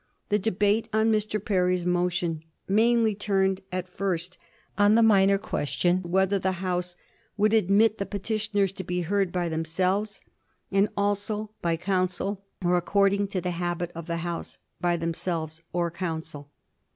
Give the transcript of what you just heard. The debate on Mr. Perry's motion mainly turned, at first, 6n the minor question, whether the house would ad mit the petitioners to be heard by themselves and also by counsel, or, according to the habit of the House, by them selves or counsel.